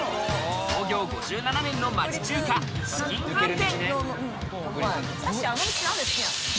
創業５７年の町中華、紫金飯店。